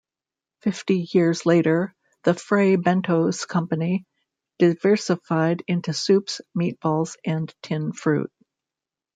Fifty years later, the Fray Bentos company diversified into soups, meatballs and tinned fruit.